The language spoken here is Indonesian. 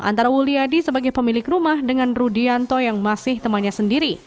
antara wuliadi sebagai pemilik rumah dengan rudianto yang masih temannya sendiri